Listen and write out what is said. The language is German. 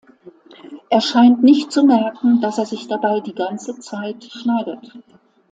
Er scheint nicht zu merken, dass er sich dabei die ganze Zeit schneidet.